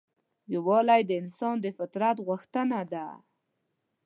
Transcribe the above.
یووالی د انسان د فطرت غوښتنه ده.